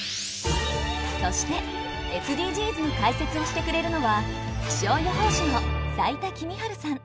そしてＳＤＧｓに解説をしてくれるのは気象予報士の斉田季実治さん。